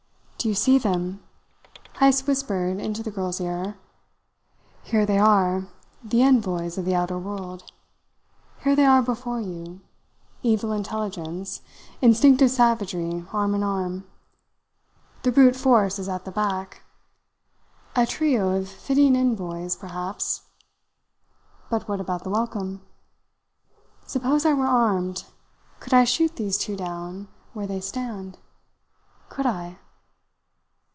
"Do you see them?" Heyst whispered into the girl's ear. "Here they are, the envoys of the outer world. Here they are before you evil intelligence, instinctive savagery, arm in arm. The brute force is at the back. A trio of fitting envoys perhaps but what about the welcome? Suppose I were armed, could I shoot these two down where they stand? Could I?"